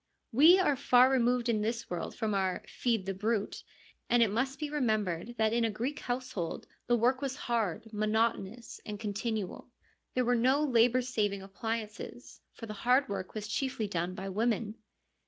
We are far removed in this world from our ' Feed the brute/ and it must be remembered that in a Greek household the work was hard, mono tonous, and continual. There were no labour saving appliances, for the hard work was chiefly done by women.